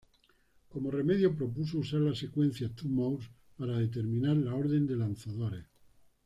Como remedio, propuso usar la secuencia Thue-Morse para determinar el orden de lanzadores.